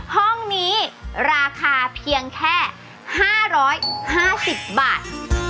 ห้องนี้ราคาเพียงแค่๕๕๐บาท